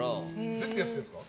どうやってやってるんですか？